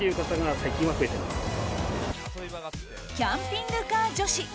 キャンピングカー女子。